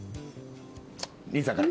兄さんから。